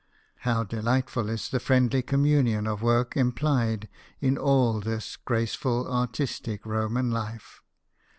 How delightful is the friendly communion of work implied in all this graceful artistic Roman life